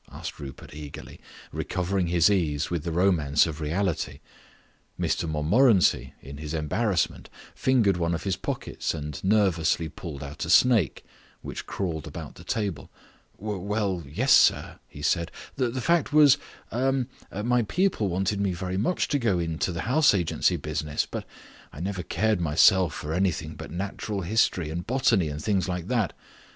asked Rupert eagerly, recovering his ease with the romance of reality. Mr Montmorency, in his embarrassment, fingered one of his pockets and nervously pulled out a snake, which crawled about the table. "W well, yes, sir," he said. "The fact was er my people wanted me very much to go into the house agency business. But I never cared myself for anything but natural history and botany and things like that.